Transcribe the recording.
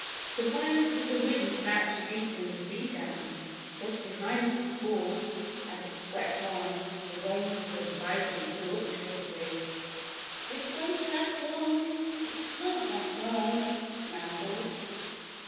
The violence of the wind had actually beaten the sea down; but behind the squall, as it swept on, the waves were rising tumultuously. "This won't last long it can't last long," Nan thought.